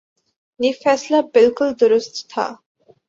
یہ فیصلہ بالکل درست تھا۔